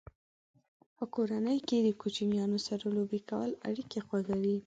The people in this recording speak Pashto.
په کورنۍ کې د کوچنیانو سره لوبې کول اړیکې خوږوي.